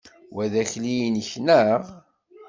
Wa d akli-inek, neɣ?